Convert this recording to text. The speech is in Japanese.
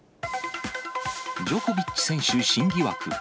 ジョコビッチ選手新疑惑。